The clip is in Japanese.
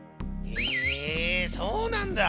へえそうなんだ。